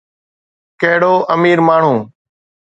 ڪهڙو امير ماڻهو.